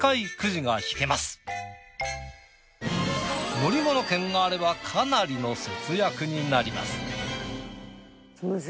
乗り物券があればかなりの節約になります。